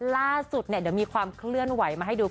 ล่าสุดเนี่ยเดี๋ยวมีความเคลื่อนไหวมาให้ดู